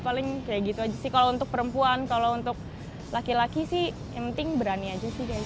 paling kayak gitu aja sih kalau untuk perempuan kalau untuk laki laki sih yang penting berani aja sih